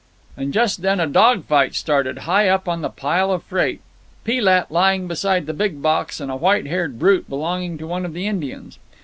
And just then a dog fight started, high up on the pile of freight—Pee lat lying beside the big box, and a white haired brute belonging to one of the Indians.